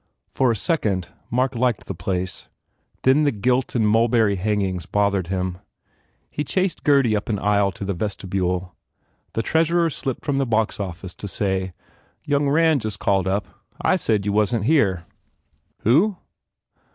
For a second Mark liked the place then the gilt and the mulberry hangings bothered him. He chased Gurdy up an aisle to the vestibule. The treasurer slipped from the box office to say, "Young Rand just called up. I said you wasn t here." "Who?"